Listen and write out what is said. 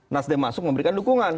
nasdeh masuk memberikan dukungan